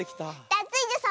ダツイージョさん